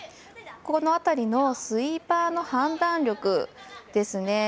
この辺りのスイーパーの判断力ですね。